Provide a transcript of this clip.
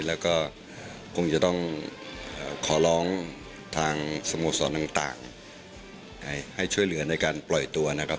แล้วก็คงจะต้องขอร้องทางสโมสรต่างให้ช่วยเหลือในการปล่อยตัวนะครับ